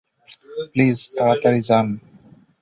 Please, তাড়াতাড়ি যান!